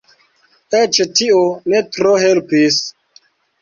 Eĉ tio ne tro helpis.